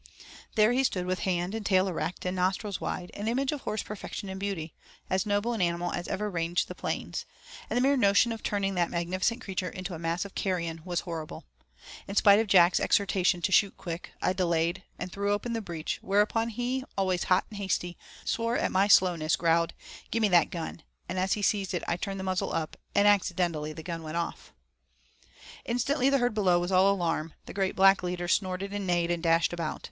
There he stood with head and tail erect, and nostrils wide, an image of horse perfection and beauty, as noble an animal as ever ranged the plains, and the mere notion of turning that magnificent creature into a mass of carrion was horrible. In spite of Jack's exhortation to 'shoot quick,' I delayed, and threw open the breach, whereupon he, always hot and hasty, swore at my slowness, growled, 'Gi' me that gun,' and as he seized it I turned the muzzle up, and accidentally the gun went off. Instantly the herd below was all alarm, the great black leader snorted and neighed and dashed about.